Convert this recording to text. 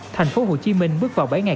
thành phố hồ chí minh bước vào bảy ngày